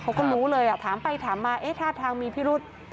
เขาก็รู้เลยถามไปถามมาถ้าทางมีพิรุธ